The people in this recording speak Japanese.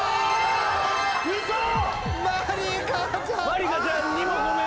まりかちゃんにもごめん。